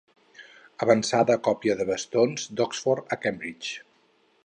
Avançada a còpia de bastons d'Oxford o Cambridge.